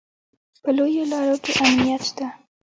په لویو لارو کې امنیت شته